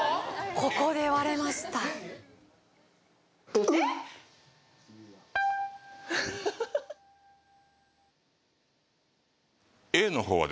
ここで割れましたははは